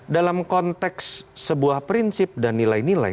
dalam konteks sebuah prinsip dan nilai nilai